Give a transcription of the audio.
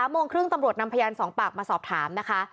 โมงครึ่งตำรวจนำพยาน๒ปากมาสอบถามนะคะ